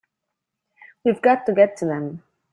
We've got to get to them!